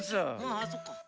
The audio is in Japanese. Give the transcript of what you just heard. あっそっか。